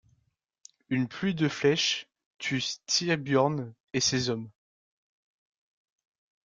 Une pluie de flèches tue Styrbjörn et ses hommes.